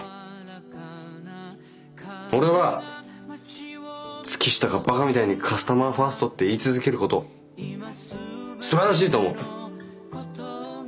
俺は月下がバカみたいにカスタマーファーストって言い続けることすばらしいと思う。